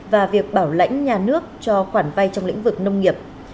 và việc bảo lãnh nhà nước cho khoản vay trong lĩnh vực nông nghiệp